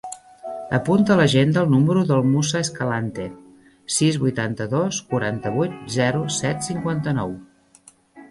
Apunta a l'agenda el número del Musa Escalante: sis, vuitanta-dos, quaranta-vuit, zero, set, cinquanta-nou.